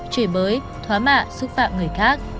truy bới thoá mạ xúc phạm người khác